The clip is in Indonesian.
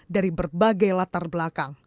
dari berbagai latar belakang